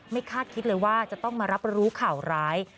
คาดคิดเลยว่าจะต้องมารับรู้ข่าวร้าย